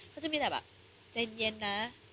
เขาจะมีแต่แบบใจเย็นนะ